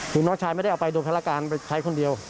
คือน้องชายไม่ได้เอาไปโดยภารการไปใช้คนเดียว